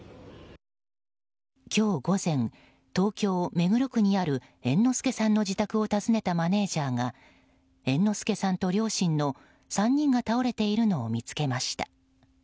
今日午前、東京・目黒区にある猿之助さんの自宅を訪ねたマネジャーが猿之助さんと両親の３人が倒れているのを見つけました。